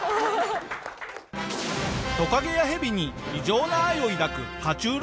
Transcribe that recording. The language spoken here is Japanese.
トカゲやヘビに異常な愛を抱く爬虫類